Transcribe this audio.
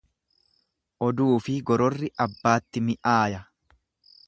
Oduufi gororri abbaatti mi'aaya.